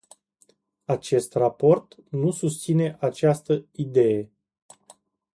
Acest raport nu susține această idee.